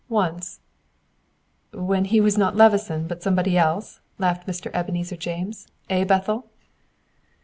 Once." "When he was not Levison, but somebody else," laughed Mr. Ebenezer James. "Eh, Bethel?"